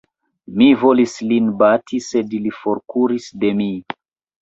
Mi volis lin bati, sed li forkuris de mi.